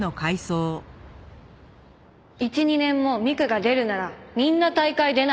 １・２年も美玖が出るならみんな大会出ないって。